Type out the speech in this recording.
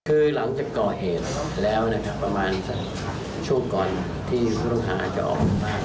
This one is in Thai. คือหลังจากก่อเหตุแล้วประมาณช่วงก่อนที่พุทธค่าจะออก